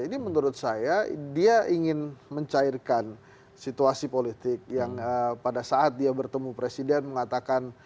ini menurut saya dia ingin mencairkan situasi politik yang pada saat dia bertemu presiden mengatakan